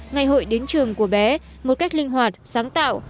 ngày hội đến trường của bé một cách linh hoạt sáng tạo